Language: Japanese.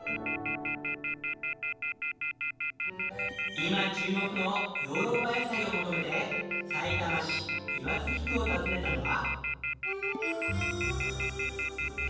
今注目のヨーロッパ野菜を求めてさいたま市岩槻区を訪ねたのは。